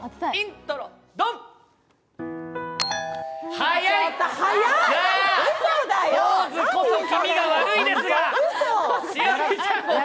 ポーズこそ気味が悪いですが。